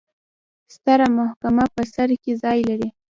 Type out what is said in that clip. ستره محکمه په سر کې ځای لري.